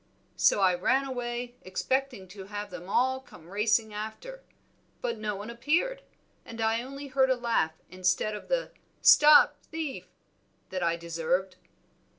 So I ran away, expecting to have them all come racing after. But no one appeared, and I only heard a laugh instead of the 'stop thief' that I deserved."